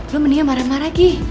lo mendingan marah marah lagi